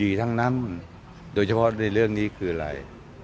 ทั้งนั้นโดยเฉพาะในเรื่องนี้คืออะไร